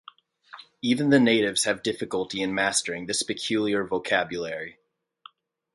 Even the natives have difficulty in mastering this peculiar vocabulary.